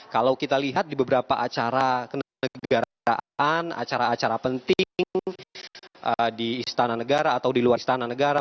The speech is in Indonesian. kalau kita lihat di beberapa acara kenegaraan acara acara penting di istana negara atau di luar istana negara